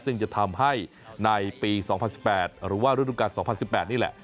ซึ่งจะทำให้ในปี๒๐๑๘หรือว่าฤดูการ๒๐๑๘นี่แหละ